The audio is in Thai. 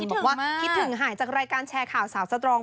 บอกว่าคิดถึงหายจากรายการแชร์ข่าวสาวสตรอง